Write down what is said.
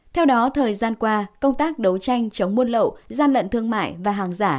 theo đó thời gian qua công tác đấu tranh chống buôn lậu gian lận thương mại và hàng giả